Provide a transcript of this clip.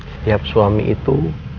setiap suami itu